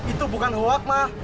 itu bukan hoak ma